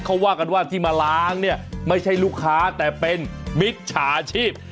เขาว่ากันว่าที่มาล้างเนี่ยไม่ใช่ลูกค้าแต่เป็นมิจฉาชีพ